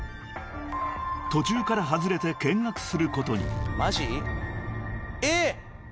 ［途中から外れて見学することに］えっ！？